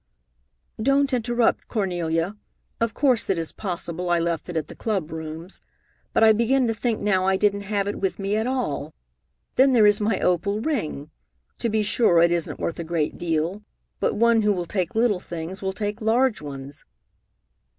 "Don't interrupt, Cornelia. Of course it is possible I left it at the club rooms, but I begin to think now I didn't have it with me at all. Then there is my opal ring. To be sure, it isn't worth a great deal, but one who will take little things will take large ones."